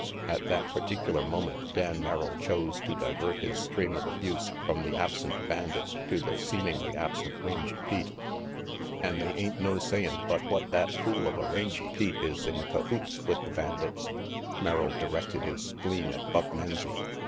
At that particular moment Dan Merrill chose to divert his stream of abuse from the absent bandit to the seemingly absent Rangy Pete. "An' they ain't no sayin' but what that fool of a Rangy Pete is in cahoots with the bandits," Merrill directed his spleen at Buck Menzie.